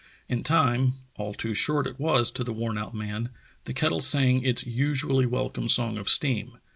In time, all too short it was to the worn out man, the kettle sang its usually welcome song of steam.